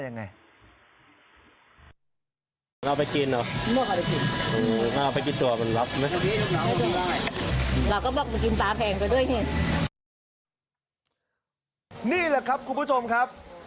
นี่แหละครับคุณผู้ชมครับ